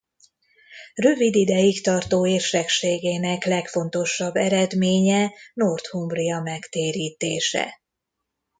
Rövid ideig tartó érsekségének legfontosabb eredménye Northumbria megtérítése.